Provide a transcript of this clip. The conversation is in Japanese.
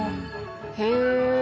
へえ。